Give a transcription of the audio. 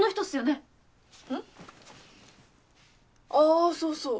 あそうそう。